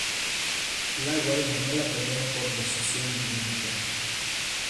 Lawal ganó la pelea por decisión dividida.